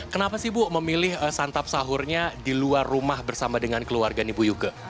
kenapa sih bu memilih santap sahurnya di luar rumah bersama dengan keluarga nih bu yuke